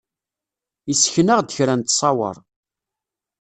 Yessken-aɣ-d kra n ttṣawer.